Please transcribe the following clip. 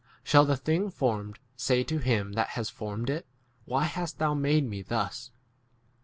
Shall the thing formed say to him that has formed it, Why hast thou 21 made me thus